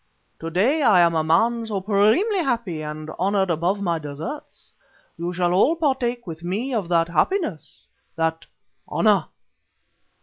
To day I am a man supremely happy and honored above my deserts. You shall all partake with me of that happiness, that honor...."